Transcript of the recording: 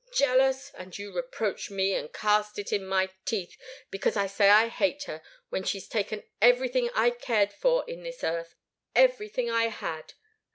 Jealous! And you reproach me, and cast it in my teeth, because I say I hate her, when she's taken everything I cared for in this earth, everything I had!